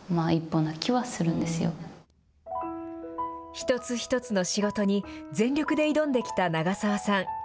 一つ一つの仕事に全力で挑んできた長澤さん。